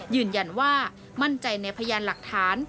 ยืนยันว่ามั่นใจในพยานหลักฐาน